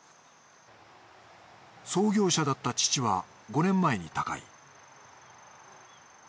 創業者だった父は５年前に他界。